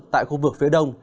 tại khu vực phía đông